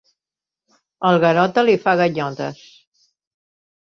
El Garota li fa ganyotes.